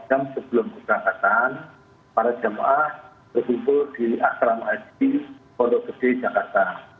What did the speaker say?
satu x dua puluh empat jam sebelum ke jakarta para jemaah berkumpul di asrama haji kodok kediri jakarta